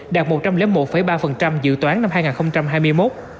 đạt một trăm linh một ba dự toán năm hai nghìn hai mươi một